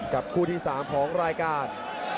กับคู่ที่๓ของรายการ